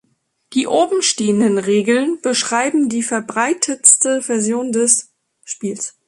Die obenstehenden Regeln beschreiben die verbreitetste Version des Spiels.